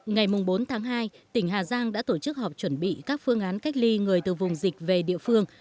ngày bốn tháng hai tỉnh hà giang đã tổ chức họp chuẩn bị các phương án cách ly người từ vùng dịch về địa phương